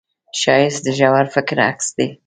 ښایست د ژور فکر عکس دی